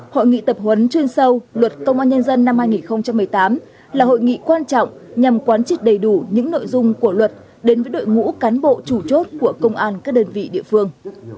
hội nghị tập huấn chuyên sâu luật công an nhân dân năm hai nghìn một mươi tám là hội nghị quan trọng nhằm quán triệt đầy đủ những nội dung của luật đến với đội ngũ cán bộ chủ chốt của công an các đơn vị địa phương